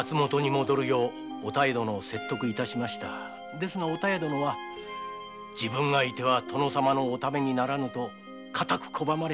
ですがお妙殿は「自分がいては殿様のためにならぬ」と拒まれ。